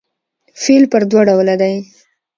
فعل پر دوه ډوله دئ.